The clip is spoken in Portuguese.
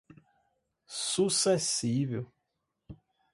sucessível